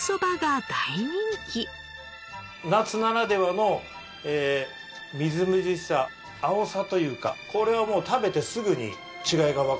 夏ならではのみずみずしさ青さというかこれはもう食べてすぐに違いがわかる。